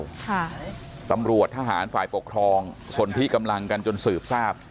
ค่ะตำรวจทหารฝ่ายปกครองส่วนที่กำลังกันจนสืบทราบ